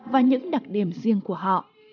và những đặc điểm riêng của họ